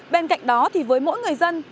bên cạnh đó thì với mỗi người dân